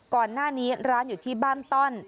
ก่อนหน้านี้ร้านอยู่ที่บ้านต้อน